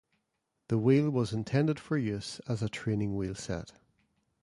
The wheel was intended for use as a training wheelset.